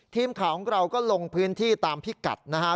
ทีมข่าวของเราก็ลงพื้นที่ตามพิกัดนะฮะ